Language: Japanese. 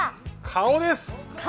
顔です！